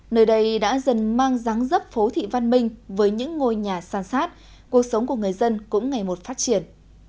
nơi đây đã dần mang ráng dấp phố thị văn minh với những ngôi nhà sàn sát cuộc sống của người dân cũng ngày một phát triển